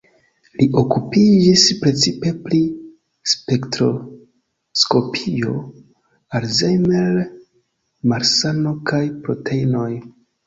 Li okupiĝis precipe pri spektroskopio, Alzheimer-malsano kaj proteinoj.